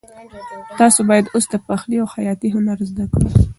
تاسو باید اوس د پخلي او خیاطۍ هنر زده کړئ.